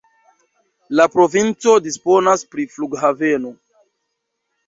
La provinco disponas pri flughaveno.